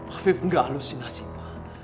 afif gak halusinasi pak